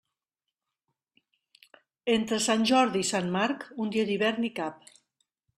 Entre Sant Jordi i Sant Marc un dia d'hivern hi cap.